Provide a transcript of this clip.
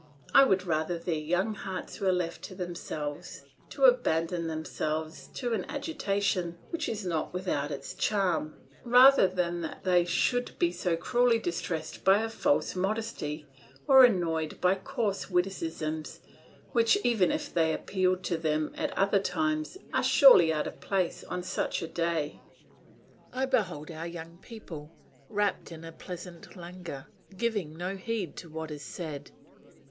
I would rather their young hearts were left to themselves, to abandon themselves to an agitation which is not without its charm, rather than that they should be so cruelly distressed by a false modesty, or annoyed by coarse witticisms which, even if they appealed to them at other times, are surely out of place on such a day. I behold our young people, wrapped in a pleasant languor, giving no heed to what is said.